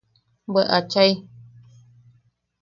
¡Bwe achai!